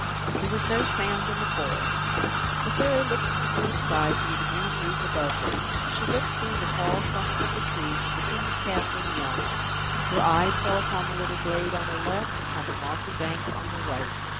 There was no sound in the forest. The Fairy looked at the blue sky through the green roof above her; she looked through the tall trunks of the trees to the King's castle beyond; her eyes fell upon the little glade on her left, upon the mossy bank on her right